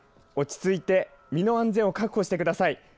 落ち着いて身の安全を確保してください。